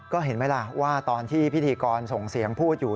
ก็เห็นไหมล่ะว่าตอนที่พิธีกรส่งเสียงพูดอยู่